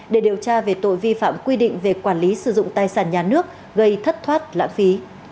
để điều tra về tội vi phạm quy định về quản lý sử dụng tài sản nhà nước gây thất thoát lãng phí